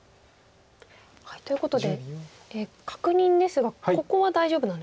ということで確認ですがここは大丈夫なんですね？